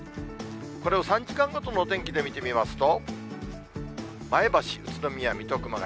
これを３時間ごとの天気で見てみますと、前橋、宇都宮、水戸、熊谷。